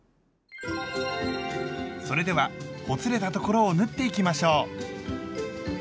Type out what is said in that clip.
それではほつれたところを縫っていきましょう！